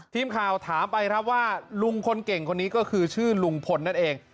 ทีมข่าวถามไปครับว่าลุงคนเก่งคนนี้ก็คือชื่อลุงพลนั่นเอง